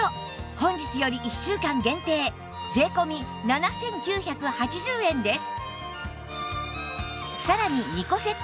本日より１週間限定税込７９８０円です